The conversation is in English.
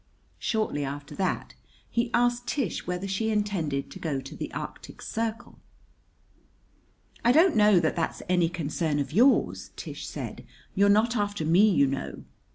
Shortly after that he asked Tish whether she intended to go to the Arctic Circle. "I don't know that that's any concern of yours," Tish said. "You're not after me, you know."